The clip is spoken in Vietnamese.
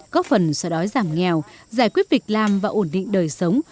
có phần sở đói giảm nghèo giải quyết việc làm và ổn định đời sống